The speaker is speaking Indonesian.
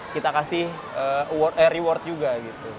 kita kasih reward juga gitu